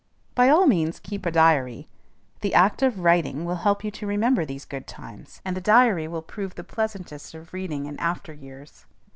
By all means keep a diary: the act of writing will help you to remember these good times, and the diary will prove the pleasantest of reading in after years.